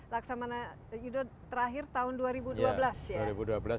laksamana yudho terakhir tahun dua ribu dua belas ya